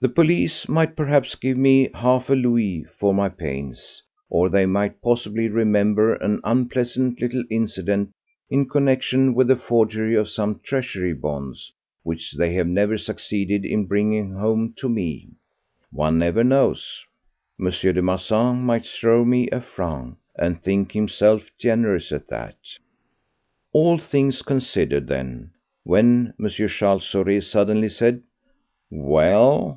The police might perhaps give me half a louis for my pains, or they might possibly remember an unpleasant little incident in connexion with the forgery of some Treasury bonds which they have never succeeded in bringing home to me—one never knows! M. de Marsan might throw me a franc, and think himself generous at that! All things considered, then, when M. Charles Saurez suddenly said, "Well?"